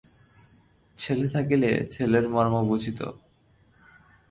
ছেলে থাকিলে ছেলের মর্ম বুঝিতে।